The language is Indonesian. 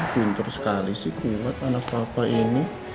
pinter sekali sih kuat anak papa ini